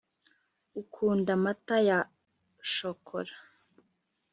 ukunda amata ya shokora